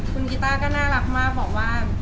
คุณกีต้าก็น่ารักมากบอกว่า